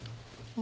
あ！